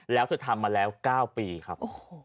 แล้วเธอทำมาแล้ว๙ปีครับ